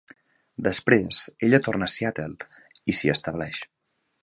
Després ella torna a Seattle i s'hi estableix.